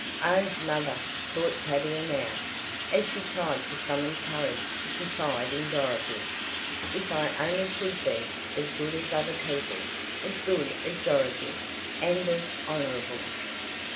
"Oh, mother!" thought Tavia now, as she tried to summon courage to confide in Dorothy. "If I only could be 'as good as other people,' as good as Dorothy, and as honorable!"